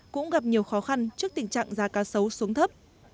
cũng gặp nhiều khó khăn trước tình trạng giá cá sấu xuống thấp